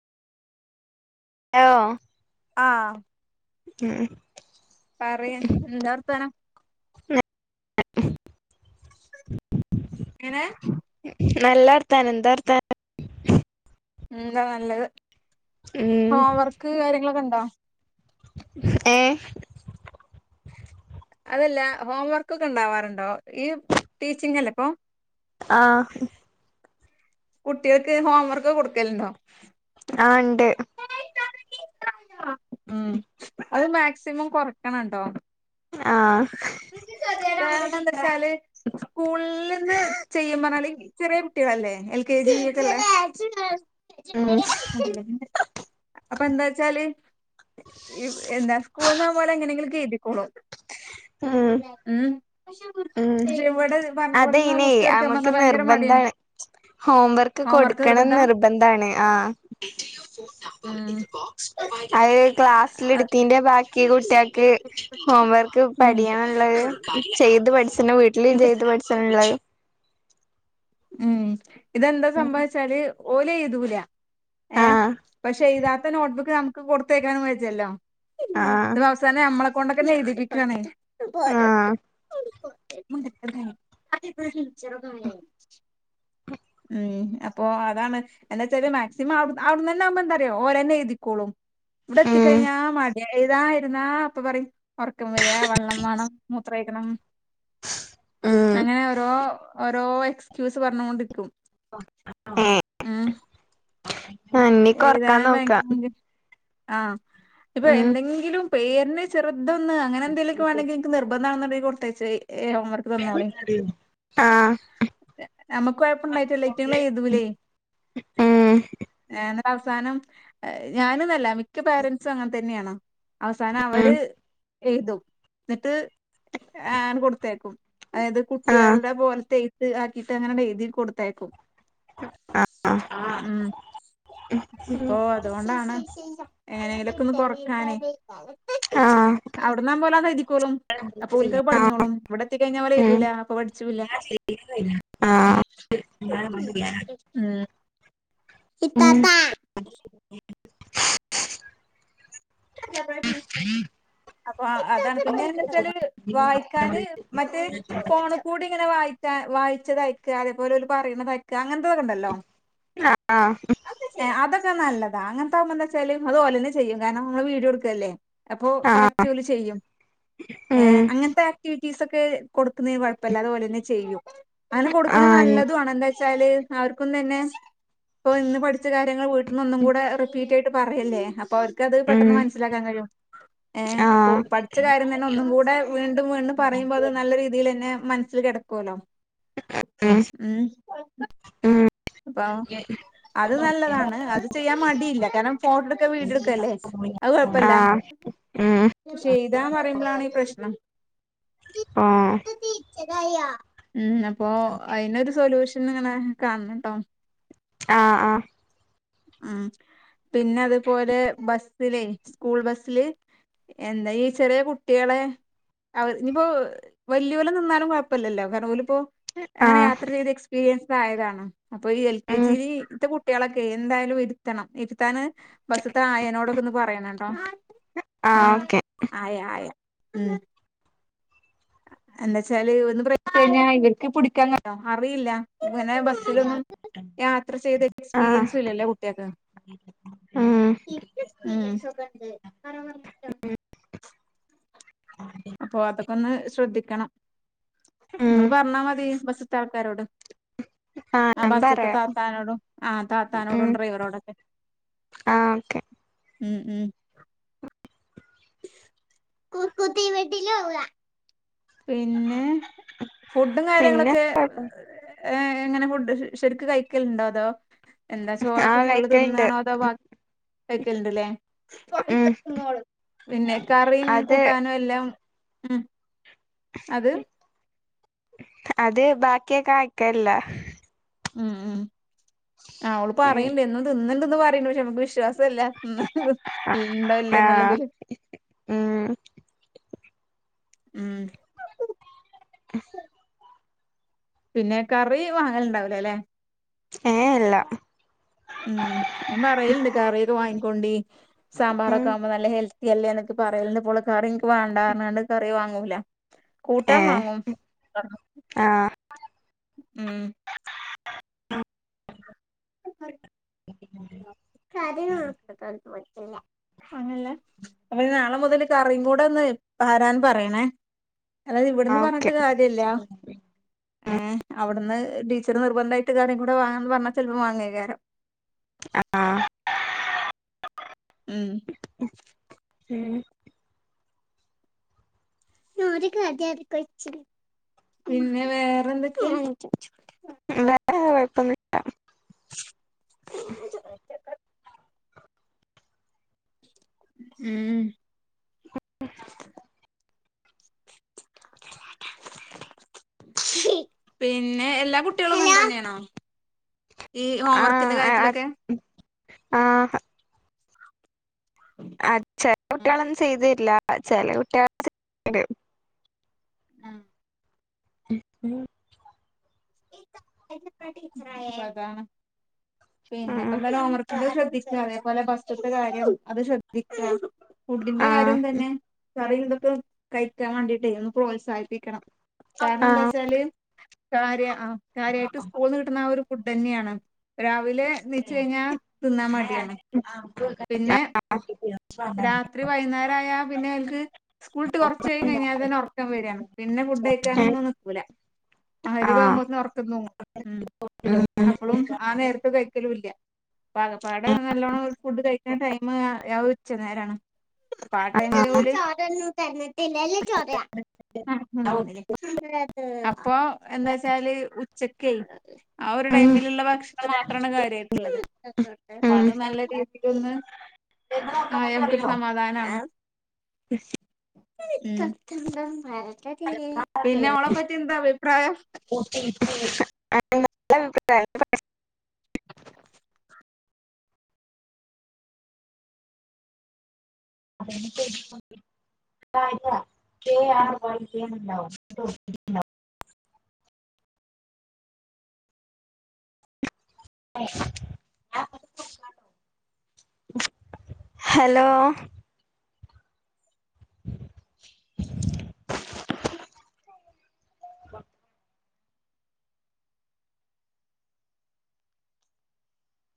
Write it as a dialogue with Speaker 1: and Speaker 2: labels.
Speaker 1: ആ
Speaker 2: ആഹ്
Speaker 1: ഉം
Speaker 2: പറയ് ന്താവർത്താനം
Speaker 1: [unintelligible]
Speaker 2: [unintelligible] എങ്ങനെ
Speaker 1: നല്ല അർത്താനം എന്താർത്താനം
Speaker 2: എന്താ നല്ലത്
Speaker 1: ഉം
Speaker 2: ഹോം വർക്ക് കാര്യങ്ങളൊക്കെ ണ്ടോ
Speaker 1: ഏ
Speaker 2: അതല്ല ഹോം വർക്ക്ക്കെ ഉണ്ടാവാറുണ്ടോ ഈ ടീച്ചിങ് അല്ലേപ്പൊ
Speaker 1: ആഹ്
Speaker 2: കുട്ടികൾക്ക് ഹോം വർക്ക് കൊടുക്കല് ണ്ടോ
Speaker 1: ആ ണ്ട്
Speaker 2: ഉം അത് മാക്സിമം കൊറക്കണംട്ടോ
Speaker 1: ആ
Speaker 2: കാരണം എന്ത വെച്ചാല് സ്കൂളി ന്ന് ചെയ്യൻ പറഞ്ഞാല് ചെറിയ കുട്ടിയേ ളല്ലേ
Speaker 1: ഉം
Speaker 2: [unintelligible] അപ്പൊ എന്താച്ചാല് എന്താ സ്കൂൾന്ന് അത്‌ പോലെ എങ്ങനെങ്കിലും എയ്തിക്കോളും
Speaker 1: ഉം
Speaker 2: ഉം പക്ഷെ
Speaker 1: ഉം
Speaker 2: ഇജ്ജ് വിടെ പറ ഇവിട് ന്ന്
Speaker 1: അതെയ്നെ
Speaker 2: പുസ്തകം എടുക്കാ പറന്നാ ഭയങ്കര മടിയാണ്
Speaker 1: ഹോം വർക്ക്
Speaker 2: ഹോംവർക്ക്
Speaker 1: കൊടുക്കണം
Speaker 2: നിർബന്ധാ
Speaker 1: നിർബന്ധാണ് ആ
Speaker 2: ഉം
Speaker 1: അത് ക്ലാസ്സി ൽ
Speaker 2: ഒരു
Speaker 1: ഇട്ത്തീന്റെ ബാക്കി കുട്ടിയേ ൾക്ക് ഹോംവർക്ക് പഠിയ
Speaker 2: മിനിറ്റ്
Speaker 1: ള്ളത് ചെയ്ത് പഠിച്ചണ് വീട്ടിലും ചെയ്ത് പഠിച്ച് ന് ല്ലേ
Speaker 2: ഉം ഇതെന്താ സംഭവച്ചാല് ഓല് എഴുതൂ ല ഏഹ്
Speaker 1: ആഹ്
Speaker 2: പക്ഷെ എയ്താ ത്ത നോട്ട്ബുക്ക് നമുക്ക് കൊടുത്തേക്കാനും വെജ്ജാല്ലോ ഇ
Speaker 1: ആഹ്
Speaker 2: ത വസാനം നമ്മളെ കൊണ്ടൊക്കെ എഴു തിപ്പിക്കാ ണേ
Speaker 1: ആഹ്
Speaker 2: [unintelligible] ചെറു തുണി
Speaker 1: [inaudible]
Speaker 2: ഉം അപ്പൊ അതാണ് എന്താച്ചല് മാക്സിമം അവിടുന്നൊവുമ്പോ എന്താറിയോ ഓരന്നെ എഴുതിക്കോളും ഇവിടെ
Speaker 1: ഉം
Speaker 2: എത്തിക്കഴിഞ്ഞാ മടി എയ് തായിരുന്നാ അപ്പൊ പറിം ഉറക്കം വരിയാ വള്ളം വാ ണം മൂത്രയി ക്കണം
Speaker 1: ഉം
Speaker 2: അങ്ങനെ ഓരോ ഓരോ എക്സ്ക്യൂസ് പറഞ് കൊണ്ട് ക്കും
Speaker 1: ഏ
Speaker 2: ഉം
Speaker 1: ഇനിക്ക് ഒറക്കാൻ
Speaker 2: ഏതാനും
Speaker 1: നോക്കാം
Speaker 2: ഭയങ്കര ആഹ് ഇപ്പൊ
Speaker 1: ഉം
Speaker 2: എന്തെങ്കിലും പേരിന് ചെറുത് ത്ന്ന് അങ്ങനെ എന്തെലുമൊക്കെ വേണെങ്കി നിങ്ങക്ക് നിർബന്ധമാണെങ്കിൽ കൊടുത്ത് അയോച്ചോ ഹോം വർക്ക് തന്നോളി
Speaker 1: ആഹ്
Speaker 2: നമുക്ക് കൊഴപ്പണ്ടായിട്ടല്ലാ ഇതങ്ങള് എഴുതൂലേ
Speaker 1: ഉം
Speaker 2: എന്നിട്ട് അവസാനം ഞാനനല്ല മിക്ക പേരൻറ്സും അങ്ങനെ തന്നെയാണ് അവസാനം
Speaker 1: ഉം
Speaker 2: അവര് എഴുതും എന്നിട്ട് ആഹ് കൊടുത്തേക്കും അതായത്
Speaker 1: ആഹ്
Speaker 2: കുട്ടികളുടെ പോലത്തേ ഇത് ആക്കിട്ട് അങ്ങനെ എഴുതി കൊടുത്തയക്കും ഉം അപ്പൊ അതുകൊണ്ടാണ് എങ്ങനെങ്കിലുംക്കെ ഒന്ന് കൊറക്കാനേ
Speaker 1: ആഹ്
Speaker 2: അവിടന്നാപോലാ എഴുതിക്കൊളും അപ്പൊ ഓൾക്ക് പഠിഞ്ഞോളും ഇവിടെ എത്തിക്കഴിഞ്ഞാൽ
Speaker 1: ഉം
Speaker 2: എഴുതൂല അപ്പൊ പഠിച്ചുല്ല
Speaker 1: ആഹ് ഉം
Speaker 2: [unintelligible] [unintelligible] അപ്പോ അതാണ് പിന്നെ എന്നിട്ട് വായിക്കാന് മറ്റേ ഫോണ് കൂടി ഇങ്ങനെ വായി ക്കാൻ വായിച്ചതയക്കാം അതേപലെ ഒരു പറയുന്നത് അയക്കാം അങ്ങന എന്തോന്ന്ണ്ടല്ലോ
Speaker 1: ആഹ്
Speaker 2: അത് ക്കേ നല്ലത് ആണ്‌ അങ്ങനത്തെകുമ്പം എന്ത് വെച്ചാലും അത് ഓള് തന്നെ ചെയ്യും കാരണം വീഡിയോ എടുക്കല്ലേ അപ്പോ
Speaker 1: ആഹ്
Speaker 2: കറക്റ്റ് ഇവള് ചെയ്യും
Speaker 1: ഉം
Speaker 2: അങ്ങനത്തെ ആക്ടിവി വിറ്റിസ് ഒക്കെ കൊടുക്കുന്നതിന് കുഴപ്പമില്ല അതുപോലെ തന്നെ ചെയ്യും അങ്ങനെ കൊടുക്കണ
Speaker 1: ആഹ്
Speaker 2: നല്ലതും ആണും എന്താ വെച്ചാല് അവർക്കും തന്നെ ഇപ്പൊ ഇന്ന് പഠിച്ച കാര്യങ്ങൾ വീട്ടിൽന്ന് ഒന്നും കൂടെ റിപ്പീറ്റ് ആയി ട്ട് പറയല്ലേ അപ്പൊ അവർക്കത്
Speaker 1: ഉം
Speaker 2: പെട്ടെന്ന് മനസിലാക്കാൻ കഴിയും ഏഹ് ഇപ്പൊ
Speaker 1: ആഹ്
Speaker 2: പഠിച്ച കാര്യം തന്നെ ഒന്നും കൂടെ വീണ്ടും വീണ്ടും പറയുമ്പോ അത് നല്ല രീതിയിൽ തന്നെ മനസ്സിൽ കിടക്കലോ ഉം
Speaker 1: ഉം
Speaker 2: അപ്പ അത് നല്ലതാണ് അത് ചെയ്യാൻ മടിയില്ല കാരണം ഫോട്ടോ എടുക്കാ വീഡിയോ എടുക്കല്ലേ അത്
Speaker 1: ഉം
Speaker 2: കൊഴപ്പല്ല
Speaker 1: ആഹ് ഉം
Speaker 2: ചെയ്താന്ന് പറയുമ്പോളാണ് ഈ പ്രശ്നം
Speaker 1: ആഹ്
Speaker 2: ഉം അപ്പൊ അയിന് ഒരു സൊല്യൂഷൻ ഇങ്ങനെ കാണണട്ടോ
Speaker 1: ആഹ് ആഹ്
Speaker 2: ഉം പിന്നെ അതുപോലെ ബസ്സിലേ സ്കൂൾ ബസില് എന്താ ഈ ചെറിയ കുട്ടികളെ ഇനിപ്പോ വല്യ പോലെ നിന്നാലും കുഴപ്പമില്ലല്ലോ കാരണം അപ്പോ അങ്ങനെ
Speaker 1: ആഹ്
Speaker 2: യാത്ര ചെയ്ത എക്സ്പീരിയൻസ് ആയതാണ് അപ്പൊ ഈ എൽ കെ
Speaker 1: ഉം
Speaker 2: ജി ഇത്തെ കുട്ടികളൊക്കെ എന്തായാലും ഇരുത്തണം ഇരുത്താന് ബസത്തെ ആയനോടൊക്കെ ഒന്ന് പറയണണ്ടോ
Speaker 1: ആഹ്
Speaker 2: ആയ
Speaker 1: ഓക്കെ
Speaker 2: ആയ ആയ ഉം എന്താച്ചാല് ഒന്ന് ബ്രേക്ക്‌ പിടിച്ചാൽ ഇവർക്ക് പിടിക്കാൻ അറിയില്ല ഇങ്ങനെ ബസ്സിലൊന്നും യാത്ര ചെയ്ത
Speaker 1: ആഹ്
Speaker 2: എക്സ്പീരിയൻസ്‌ല്ലല്ലോ കുട്ടികൾക്ക്
Speaker 1: ഉം
Speaker 2: ഉം അപ്പൊ അതൊക്കെ ഒന്ന് ശ്രദ്ധിക്കണം
Speaker 1: ഉം
Speaker 2: നിങ്ങള് പറഞ്ഞാൽ മതി ബ സിലെ ആൾക്കാരോട്
Speaker 1: ആഹ്
Speaker 2: ആ
Speaker 1: ഞാൻ
Speaker 2: ബസ്സത്തെ
Speaker 1: പറയാം
Speaker 2: താത്താനോടും ആഹ്
Speaker 1: ഉം
Speaker 2: താത്താനോടും ഡ്രൈവറോടൊക്കെ
Speaker 1: ആഹ് ഓക്കെ
Speaker 2: ഉം ഉം [unintelligible] പിന്നെ ഫുഡും
Speaker 1: പിന്നെ
Speaker 2: കാര്യങ്ങളൊക്കെ ഏഹ് എങ്ങനെ ഫുഡ് ശരിക്കും കഴിക്കലുണ്ടോ അതോ എന്താ ചോറൊക്കെ
Speaker 1: ആഹ്
Speaker 2: ഫുള്ള്
Speaker 1: കഴിക്കല്ണ്ട്
Speaker 2: തിന്നാണോ അതോ ബാ വെക്കലുണ്ട്ല്ലേ
Speaker 1: ഉം
Speaker 2: പിന്നെ കറിയും
Speaker 1: അത്
Speaker 2: കൂട്ടാനും എല്ലാം ഉം അത്
Speaker 1: അത് ബാക്കിയൊക്കെ അയിക്കലില്ല
Speaker 2: ഉം ഉം അവള്
Speaker 1: ഉം
Speaker 2: പറയ് ണ്ട് തിന്നുണ്ട്‌ പറയ പക്ഷെ നമുക്ക് വിശ്വാസം ല്ല ണ്ടോ ഇല്ല
Speaker 1: ആഹ്
Speaker 2: എന്നുള്ളത്
Speaker 1: ഉം
Speaker 2: ഉം
Speaker 1: എ [inaudible]
Speaker 2: പിന്നെ കറി വാങ്ങല് ഉണ്ടാവൽ ല്ല ല്ലെ
Speaker 1: ഏഹ് ഇല്ല
Speaker 2: ഉം ഞാൻ പറയലണ്ട് കറിയൊക്കെ വാങ്ങിക്കോണ്ടി
Speaker 1: ഉം
Speaker 2: സാമ്പാറൊക്കെ ആകുമ്പോ നല്ല ഹെൽത്തി അല്ലേ പറയലുണ്ട് ഇപ്പോള് കറി എനിക്ക് വേണ്ടാന്നു പറഞ്ഞണ്ട് കറി വാങ്ങൂല കൂട്ടാൻ
Speaker 1: ഏഹ്
Speaker 2: വാങ്ങും
Speaker 1: ആഹ്
Speaker 2: ഉം കരി നത് അ പറ്റില്ല [unintelligible] അങ്ങനല്ലേ അപ്പ നാളെ മുതൽ കറിയും കൂടെ ഒന്ന് പാരാൻ പറയണേ അതായത് ഇവിടുന്ന് പറഞ്ഞിട്ട്
Speaker 1: ഓക്കെ
Speaker 2: കാര്യല്ല ഏഹ അവിടുന്ന് ടീച്ചർ നിർബന്ധമായിട്ട് കറി കൂടെ വാങ്ങാണം ന്നു പറഞ്ഞാ ചിലപ്പോ വാങ്ങിയ്കാരം
Speaker 1: ആഹ
Speaker 2: ഉം
Speaker 1: ഉം
Speaker 2: നോ പിന്നെ വേറെന്തൊ
Speaker 1: വേറെ കുഴപ്പന്നുല്ല
Speaker 2: [inaudible] ഉം
Speaker 1: [inaudible]
Speaker 2: പിന്നെ എല്ലാ കുട്ടികളും ഇങ്ങനെ തന്നെയാണോ ഈ ഹോംവർക്കിന്റെ കാര്യത്തിലൊക്കെ
Speaker 1: ആഹ ആ ചെല
Speaker 2: ഉം
Speaker 1: കുട്ടികളൊന്നും ചെയ്ത് വരില്ല ചെല കുട്ടികൾ
Speaker 2: ആഹ
Speaker 1: [inaudible]
Speaker 2: [inaudible] പിന്നെപ്പോ
Speaker 1: ഉം
Speaker 2: എന്താലും ഹോം വർക്കിന്റെ ശ്രദ്ധിക്ക അതേപോലെ ബസ്റ്റ്ത്തെ കാര്യം അത് ശ്രദ്ധിക്കുക ഫുഡിന്റെ
Speaker 1: ആഹ്
Speaker 2: കാര്യം തന്നെ കറി ഇതൊക്കെ കഴിക്കാൻ വേണ്ടിട്ടെ ഒന്ന് പ്രോത്സാഹിപ്പിക്കണം കാരണം എന്താ
Speaker 1: ആഹ്
Speaker 2: ച്ചാല് കാര്യ ആ കാര്യമായിട്ട് സ്കൂള്ന്ന് കിട്ടണ ഫുഡ്ന്നെയാണ് രാവിലെ നീച്ചു കഴിഞ്ഞാൽ തിന്നാൻ മടിയാണ് പിന്നെ
Speaker 1: [inaudible]
Speaker 2: രാത്രി വൈകുന്നേര ആയ പിന്നെ ഓല്ക്ക് സ്കൂളിട്ട്കുറച്ച് കഴിഞ്ഞാൽ തന്നെ ഉറക്കം വരാണ് പിന്നെ ഫുഡ്ഴി
Speaker 1: ഏഹ്
Speaker 2: ക്കാനന്നും നിക്കൂല ആ
Speaker 1: ആഹ്
Speaker 2: മഗ്‌രിബകുമ്പോത്തിനു ഉറക്കം തൂങ്ങും ഉം
Speaker 1: ഉം
Speaker 2: അപ്പളും ആ നേരത്തെ കഴിക്കലും ഇല്ല ആകപ്പാടെ നല്ലോണം ഫുഡ് കഴിക്കണ ടൈം ഉച്ച നേരാണ് ചോരൊന്നും തന്നിട്ടില്ലല്ല ചോര [unintelligible] ആ അ അപ്പൊ എന്താ വച്ചാല് ഉച്ചക്ക് ആ ഒരു
Speaker 1: ഉം
Speaker 2: ടൈമിലുള്ള ഭക്ഷണം മാത്രമാണ് കാര്യമായിട്ടുള്ളത് അപ്പ
Speaker 1: ഉം
Speaker 2: അത് നല്ല രീതിലൊന്നു ആഹനമുക്കൊരു സമാധാനമാണ് ഉം പിന്നെ അവളെ പറ്റി എന്താ അഭിപ്രായം
Speaker 1: ആ നല്ല അഭിപ്രായ അത ത കേണ്ടാവും [unintelligible] ആ പ കാട്ട [unintelligible] ഹലോ